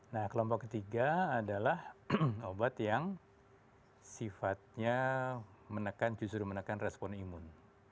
nah kelompok ketiga adalah obat yang sifatnya menekan justru menekan respon imun